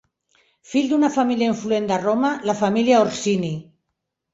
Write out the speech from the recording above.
Fill d'una família influent de Roma, la família Orsini.